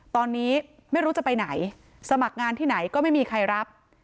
ตอนนี้ไม่รู้จะไปไหนสมัครงานที่ไหนก็ไม่มีใครรับ